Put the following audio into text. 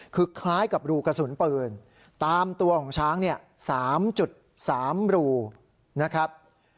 คือคล้ายกับรูกระสุนปืนตามตัวของช้างเนี่ย๓๓รูนะครับ